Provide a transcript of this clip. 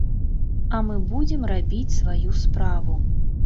А мы будзем рабіць сваю справу.